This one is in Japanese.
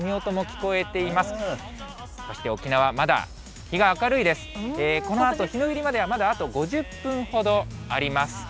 このあと日の入りまではまだあと５０分ほどあります。